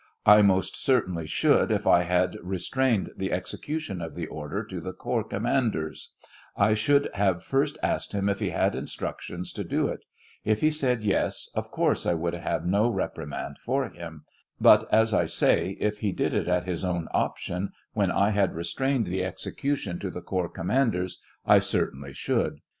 I most certainly should if I had restrained the execution of the order to the corps commanders; I should have first asked him if he had instructions to do it ; if he said yes, of course I would have no reprimand for him ; but, as I say, if he did it at his own option, when I had restrained the execution to the corps com manders, 1 certainly should.